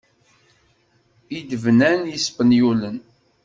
I d-bnan yispenyulen.